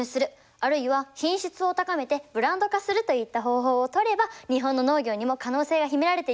あるいは品質を高めてブランド化するといった方法を取れば日本の農業にも可能性が秘められています。